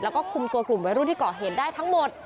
แล้วก็คุมตัวกลุ่มวัยรุ่นที่เกาะเหตุได้ทั้งหมด